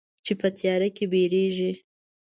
چې په تیاره کې بیریږې